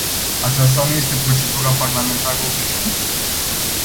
Aceasta nu este procedura parlamentară obișnuită.